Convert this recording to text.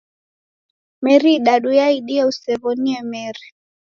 Meri idadu yaidie usew'onie meri.